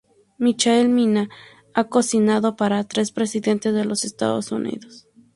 Michael Mina ha cocinado para tres presidentes de los Estados Unidos.